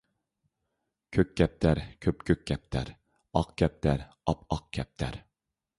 كۆك كەپتەر – كۆپكۆك كەپتەر، ئاق كەپتەر - ئاپئاق كەپتەر